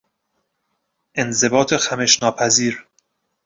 انضباط خمش ناپذیر